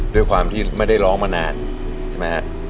ด้วยความที่ไม่ได้ร้องมานานใช่ไหมฮะ